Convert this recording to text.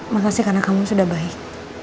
makasih karena kamu sudah baik